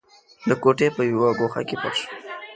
د کوټې په يوه ګوښه کې پټ شو.